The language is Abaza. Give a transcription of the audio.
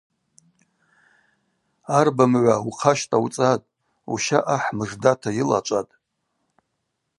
Арба мыгӏва ухъа щтӏауцӏатӏ, Уща ахӏ мыждата йылачӏватӏ.